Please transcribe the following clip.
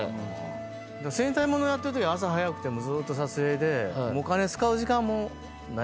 戦隊物やってるとき朝早くてずーっと撮影でお金使う時間もないぐらいな。